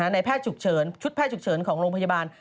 ในชุดแพทย์ฉุกเฉินของโรงพยาบาล